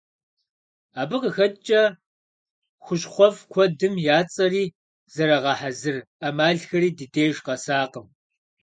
Абы къыхэкӏкӏэ, хущхъуэфӏ куэдым я цӏэри, зэрагъэхьэзыр ӏэмалхэри ди деж къэсакъым.